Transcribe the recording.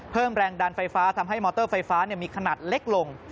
เพิ่มแรงดันไฟฟ้าทำให้มอเตอร์ไฟฟ้ามีขนาดเล็กลง